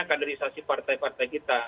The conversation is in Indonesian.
kaderisasi partai partai kita